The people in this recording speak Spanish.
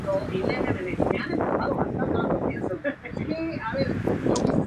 Luego pasó a formar parte de la Red Sur de Ferrocarriles del Estado.